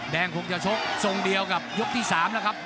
คงจะชกทรงเดียวกับยกที่๓แล้วครับ